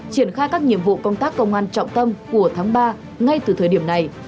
triển khai các nhiệm vụ công tác công an trọng tâm của tháng ba ngay từ thời điểm này